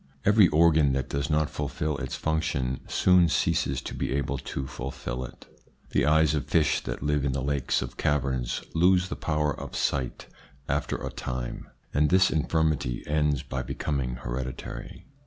Every organ that does not fulfil its function soon ceases to be able to fulfil it. The eyes of fish that live in the lakes of caverns lose the power of sight after a time, and this infirmity ends by becoming hereditary.